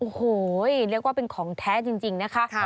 โอ้โหเรียกว่าเป็นของแท้จริงนะคะ